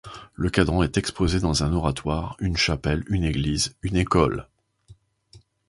Le cadran est exposé dans un oratoire, une chapelle, une église, une école…